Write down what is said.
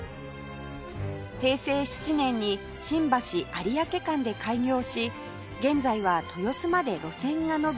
平成７年に新橋有明間で開業し現在は豊洲まで路線が伸び